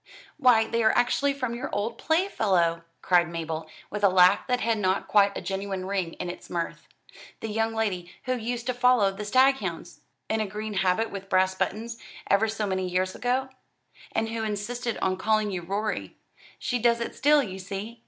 "Why, they are actually from your old playfellow!" cried Mabel, with a laugh that had not quite a genuine ring in its mirth. "The young lady who used to follow the staghounds, in a green habit with brass buttons, ever so many years ago, and who insisted on calling you Rorie. She does it still, you see.